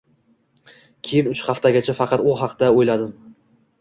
Keyin uch haftacha faqat u haqda o‘yladim